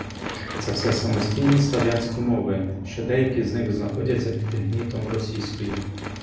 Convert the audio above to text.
Це все самостійні слов'янські мови, що деякі з них знаходяться під гнітом російської.